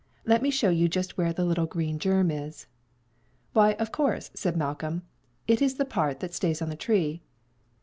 "Let me show you just where the little green germ is." "Why, of course!" said Malcolm; "it's in the part that stays on the tree."